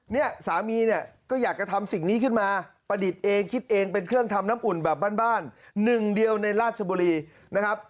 เนี่ยสามีเนี่ยก็อยากจะทำสิ่งนี้ขึ้นมาประดิษฐ์เองคิดเองเป็นเครื่องทำน้ำอุ่นแบบบ้านหนึ่งเดียวในราชบุรีนะครับ